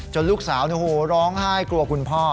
จนลูกสาวเนี่ยโอ้โหร้องไห้กลัวคุณพ่อ